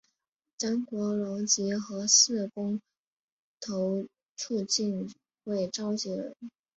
张国龙及核四公投促进会召集人。